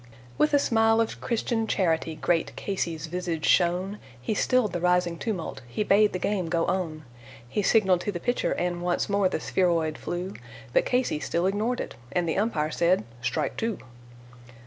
With a smile of Christian charity great Casey's visage shone: He stilled the rising tumult, he bade the game go on, He signaled to the pitcher, and once more the spheroid flew, But Casey still ignored it, and the umpire said, "Strike two."